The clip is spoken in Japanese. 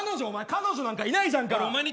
彼女なんかいないじゃんか。